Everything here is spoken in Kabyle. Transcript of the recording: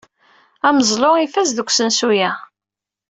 Ameẓlu ifaz deg usensu-a.